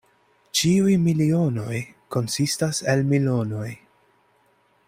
Ĉiuj milionoj konsistas el milonoj.